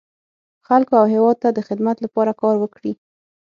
خلکو او هېواد ته د خدمت لپاره کار وکړي.